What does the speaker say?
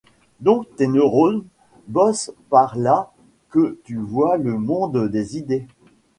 Donc tes neurones bossent pour pas que tu voies le monde des idées.